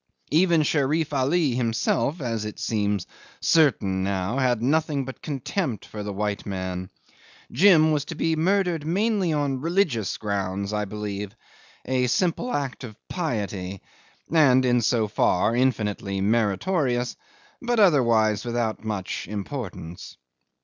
Even Sherif Ali himself, as it seems certain now, had nothing but contempt for the white man. Jim was to be murdered mainly on religious grounds, I believe. A simple act of piety (and so far infinitely meritorious), but otherwise without much importance.